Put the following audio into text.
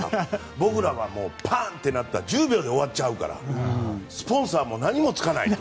僕らはパンッて鳴ったら１０秒で終わるからスポンサーも何もつかない。